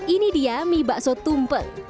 ini dia mie bakso tumpeng